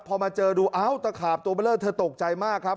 พอมาเจอดูอ้าวตะขาบตัวเมล็ดตกใจมากครับ